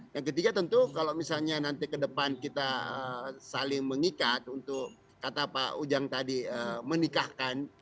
yang ketiga tentu kalau misalnya nanti ke depan kita saling mengikat untuk kata pak ujang tadi menikahkan